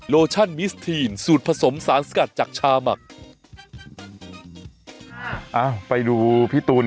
มิสทีนสูตรผสมสารสกัดจากชาหมักอ้าวไปดูพี่ตูน